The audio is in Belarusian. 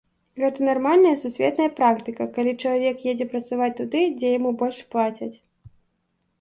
Гэта нармальная сусветная практыка, калі чалавек едзе працаваць туды, дзе яму больш плацяць.